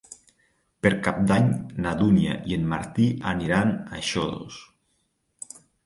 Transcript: Per Cap d'Any na Dúnia i en Martí aniran a Xodos.